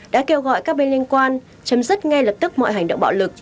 đã kêu gọi các bên liên quan chấm dứt ngay lập tức mọi hành động bạo lực